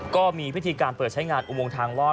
ก็มีพิธีการเปิดใช้งานอุโมงทางลอด